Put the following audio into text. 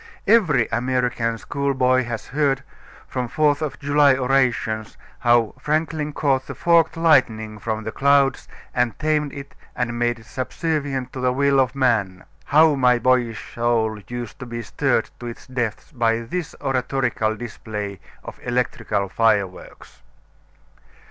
Every American schoolboy has heard, from Fourth of July orations, how "Franklin caught the forked lightning from the clouds and tamed it and made it subservient to the will of man." How my boyish soul used to be stirred to its depths by this oratorical display of electrical fireworks!